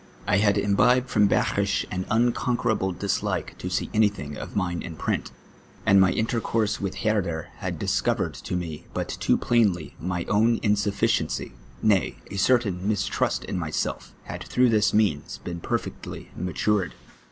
I had imbibed from Behrisch an unconquerable dislike to see anything of mine in print, and my intercom se with Herder had discovered to me but too })lainly my o^^^l insufficiency, nay, a certain mistrust in myself had through this means been perfectly matm'cd.